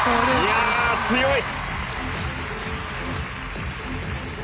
いやあ強い！